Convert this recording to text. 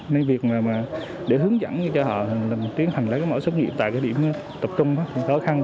nên việc mà để hướng dẫn cho họ tiến hành lấy mẫu xét nghiệm tại cái điểm tập trung khó khăn